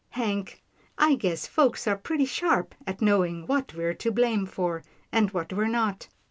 Hank, I guess folks are pretty sharp at knowing what we're to blame for, and what we're not."